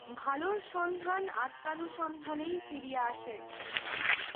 ভালর সন্ধান আত্মানুসন্ধানেই ফিরিয়া আসে।